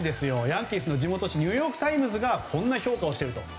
ヤンキースの地元紙ニューヨーク・タイムズがこんな評価をしていると。